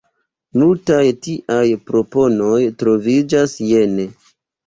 Multaj tiaj proponoj troviĝas jene.